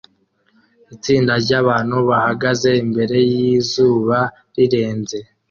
Itsinda ryabantu bahagaze imbere yizuba rirenze